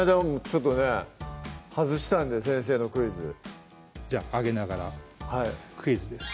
ちょっとね外したんで先生のクイズじゃあ揚げながらクイズです